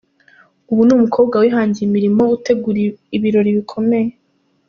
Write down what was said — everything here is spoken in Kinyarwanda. Ubu ni umukobwa wihangiye imirimo utegura ibirori bikomeye.